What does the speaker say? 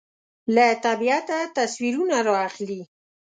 له طبیعته تصویرونه رااخلي